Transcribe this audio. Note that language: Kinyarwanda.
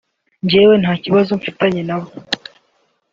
njyewe nta kibazo mfitanye nabo